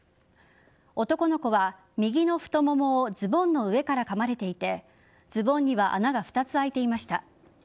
男の子は右の太ももをズボンの上からかまれていてズボンには穴が２つあいていました。